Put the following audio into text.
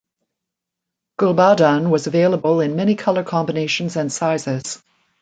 Gulbadan was available in many color combinations and sizes.